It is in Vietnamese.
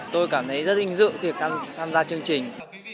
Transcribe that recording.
tôi cảm thấy rất vinh dự khi tham gia chương trình